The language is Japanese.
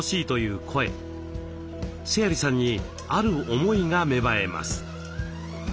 須鑓さんにある思いが芽生えます。